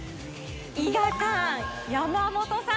伊賀菓庵山本さん。